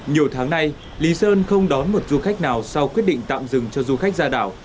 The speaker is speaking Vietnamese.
nhiều tháng nay lý sơn không đón một du khách nào sau quyết định tạm dừng cho du khách ra đảo